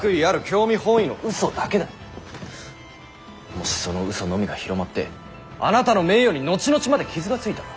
もしそのうそのみが広まってあなたの名誉に後々まで傷がついたら。